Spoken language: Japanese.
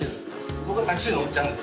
僕はタクシーのおっちゃんです